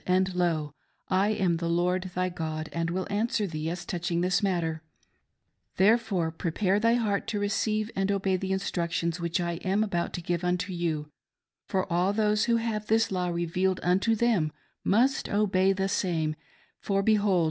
and lo, I am the Lord thy God, and will answer thee as touching this matter : Therefore prepare thy heart to receive and obey the instructions which I am abonf to give unto you ; for all those who have this law revealed unto them must obey the same ; for behold